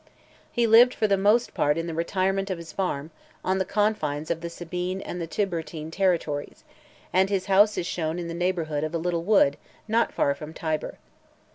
] He lived for the most part in the retirement of his farm , on the confines of the Sabine and Tiburtine territories, and his house is shewn in the neighbourhood of a little wood not far from Tibur.